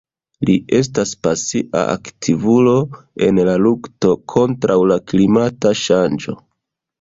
Li estas pasia aktivulo en la lukto kontraŭ la klimata ŝanĝo.